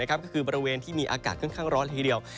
ก็คือบริเวณที่มีอากาศค่อนข้างร้อนละทีเดียว